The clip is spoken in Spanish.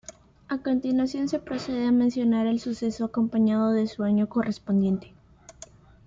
A continuación se procede a mencionar el suceso acompañado de su año correspondiente.